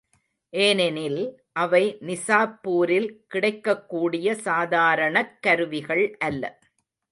ஏனெனில் அவை நிசாப்பூரில் கிடைக்கக்கூடிய சாதாரணக் கருவிகள் அல்ல.